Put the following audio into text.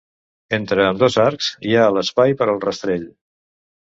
Entre ambdós arcs hi ha l'espai per al rastell.